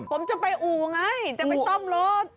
ผมจะไปอู่ไงจะไปซ่อมรถ